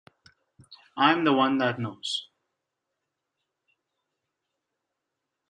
I'm the one that knows.